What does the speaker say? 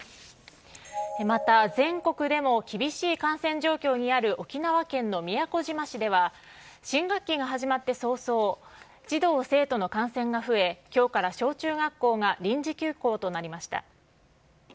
また全国でも厳しい感染状況にある沖縄県の宮古島市では、新学期が始まって早々、児童・生徒の感染が増え、きょうから小中学校が臨時休校となりました。